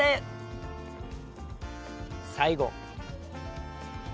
最後。